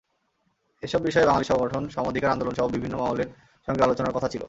এসব বিষয়ে বাঙালি সংগঠন সমঅধিকার আন্দোলনসহ বিভিন্ন মহলের সঙ্গে আলোচনার কথা ছিল।